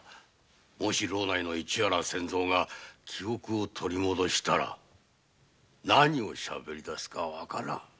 もし牢内の市原千蔵が記憶を取り戻したら何をしゃべりだすかわからん。